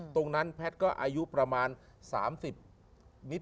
ตรงนั้นแพทย์ก็อายุประมาณ๓๐นิด